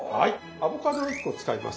アボカドを１個使います。